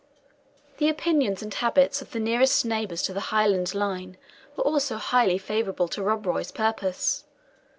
The opinions and habits of the nearest neighbours to the Highland line were also highly favourable to Rob Roy's purpose.